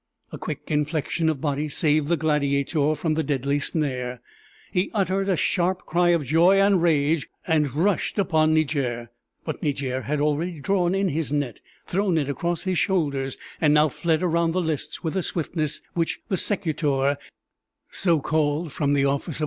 A quick inflection of body saved the gladiator from the deadly snare; he uttered a sharp cry of joy and rage and rushed upon Niger; but Niger had already drawn in his net, thrown it across his shoulders, and now fled around the lists with a swiftness which the secutor in vain endeavored to equal.